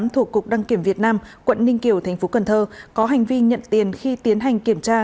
thuộc cục đăng kiểm việt nam quận ninh kiều tp cnh có hành vi nhận tiền khi tiến hành kiểm tra